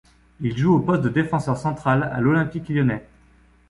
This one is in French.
Il joue au poste de défenseur central à l'Olympique lyonnais.